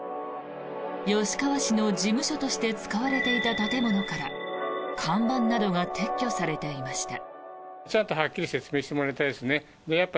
吉川氏の事務所として使われていた建物から看板などが撤去されていました。